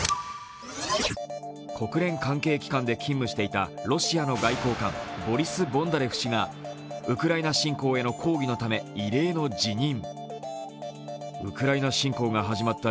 国連関係機関で勤務していたロシアの外交官ボリス・ボンダレフ氏がウクライナ侵攻への抗議のため異例の辞任。